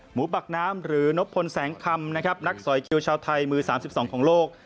หมูปักน้ำหรือนบพลแสงคำนักสอยกิ้วชาวไทยมือ๓๒ของโลก